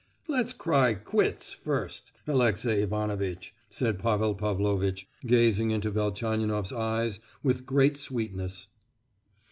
"Let's cry 'quits' first, Alexey Ivanovitch," said Pavel Pavlovitch, gazing into Velchaninoff's eyes with great sweetness.